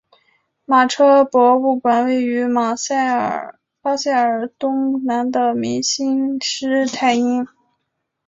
马车博物馆位于巴塞尔东南的明兴施泰因。